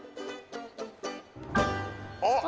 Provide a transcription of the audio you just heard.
あっ！